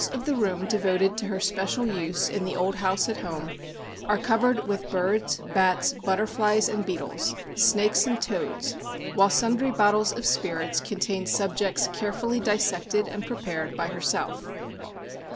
of the room devoted to her special use in " the old house at home," are covered with birds, bats, butterflies and beetles, snakes and toads, while sundry bottles of spirits contain subjects carefully dissected and prepared by herself.